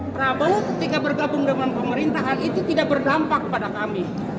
prabowo ketika bergabung dengan pemerintahan itu tidak berdampak kepada kami